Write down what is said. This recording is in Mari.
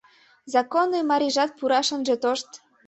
Законный марийжат пураш ынже тошт!